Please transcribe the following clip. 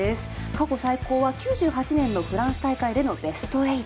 過去最高は９８年のフランス大会でのベスト８。